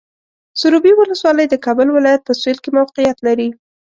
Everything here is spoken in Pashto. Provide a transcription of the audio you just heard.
سروبي ولسوالۍ د کابل ولایت په سویل کې موقعیت لري.